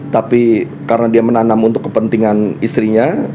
tapi karena dia menanam untuk kepentingan istrinya